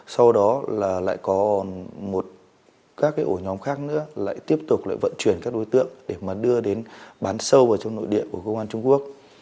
sau đó lại có các ổ nhóm khác tiếp tục vận chuyển các đối tượng để đưa đến bán sâu vào trong nội địa của công an trung quốc